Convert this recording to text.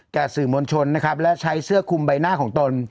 สื่อมวลชนนะครับและใช้เสื้อคุมใบหน้าของตน